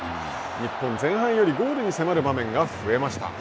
日本、前半よりもゴールに迫る場面が増えました。